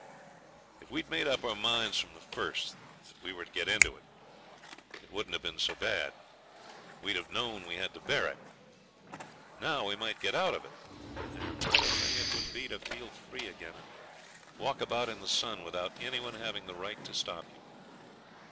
If we'd made up our minds from the first that we were to get into it it wouldn't have been so bad; we'd have known we had to bear it. Now we might get out of it, and what a thing it would be to feel free again, and walk about in the sun without any one having the right to stop you.